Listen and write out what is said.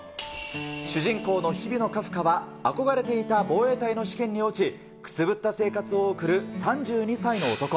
主人公の日比野カフカは、憧れていた防衛隊の試験に落ち、くすぶった生活を送る３２歳の男。